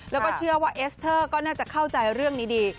แล้วก็เชื่อว่าเอสเตอร์ก็น่าจะเข้าใจเรื่องนี้ดี